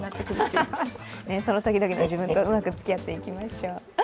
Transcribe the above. その時々の自分とうまくつきあっていきましょう。